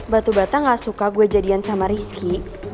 batu bata gak suka gue jadian sama rizky